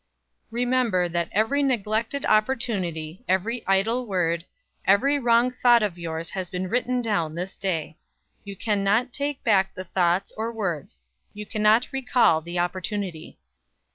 "Remember that every neglected opportunity, every idle word, every wrong thought of yours has been written down this day. You can not take back the thoughts or words; you can not recall the opportunity.